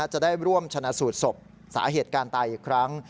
จะได้ร่วมชนะสูตรศพสาเหตุการณ์ตายอีกครั้ง